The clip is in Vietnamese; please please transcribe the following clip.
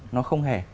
nó không hề